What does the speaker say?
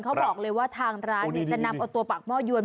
เขาบอกเลยว่าทางร้านจะนำเอาตัวปากหม้อยวน